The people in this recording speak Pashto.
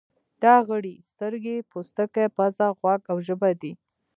دا غړي سترګې، پوستکی، پزه، غوږ او ژبه دي.